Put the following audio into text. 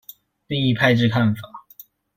另一派之看法